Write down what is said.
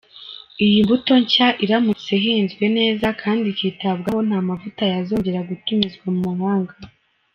Iyi mbuto nshya iramutse ihinzwe neza kandi ikitabwaho nta mavuta yazongera gutumizwa mu mahanga.